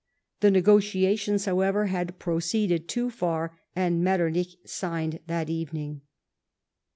The negotiations, however, had proceeded too far, and Metter nich siofned that evening.